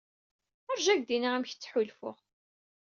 Rju ad k-d-iniɣ amek ttḥulfuɣ.